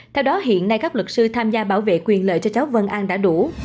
theo đó hiện nay các luật sư tham gia bảo vệ quyền lợi cho cháu vân an đã đủ